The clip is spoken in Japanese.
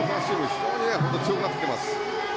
非常に強くなってきています。